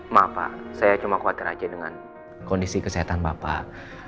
maaf pak saya cuma khawatir aja dengan kondisi kesehatan bapak